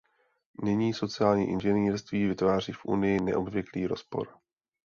Nyní sociální inženýrství vytváří v Unii neobvyklý rozpor.